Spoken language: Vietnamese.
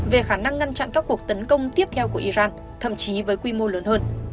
về khả năng ngăn chặn các cuộc tấn công tiếp theo của iran thậm chí với quy mô lớn hơn